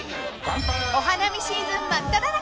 ［お花見シーズン真っただ中］